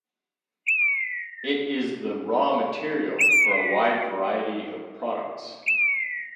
It is the raw material for a wide variety of products.